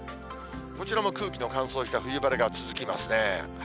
こちらも空気の乾燥した冬晴れが続きますね。